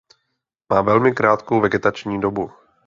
Má velmi krátkou vegetační dobu.